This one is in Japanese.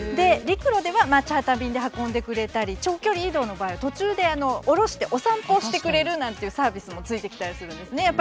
陸路ではチャーター便で運んでくれたり長距離移動の場合は途中で降ろしてお散歩をしてくれるなんていうサービスも付いてきたりするんですね。